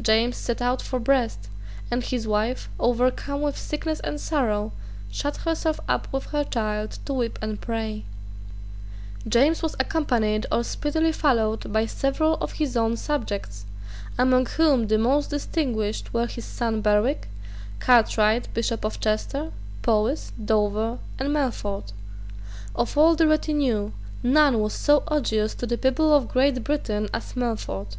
James set out for Brest; and his wife, overcome with sickness and sorrow, shut herself up with her child to weep and pray, James was accompanied or speedily followed by several of his own subjects, among whom the most distinguished were his son Berwick, Cartwright Bishop of Chester, Powis, Dover, and Melfort. Of all the retinue, none was so odious to the people of Great Britain as Melfort.